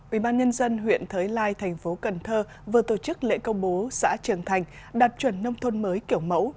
ubnd huyện thới lai tp cn vừa tổ chức lễ công bố xã trường thành đạt chuẩn nông thôn mới kiểu mẫu